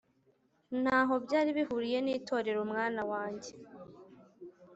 ntaho byari bihuriye n'itorero, mwana wanjye,